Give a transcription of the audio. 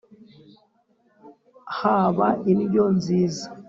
haba indyo nziza!”